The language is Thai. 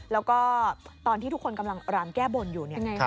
แล้วก็ตอนที่ทุกคนกำลังรำแก้บนอยู่เนี่ย